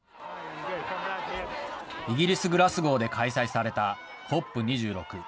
イギリス・グラスゴーで開催されたＣＯＰ２６。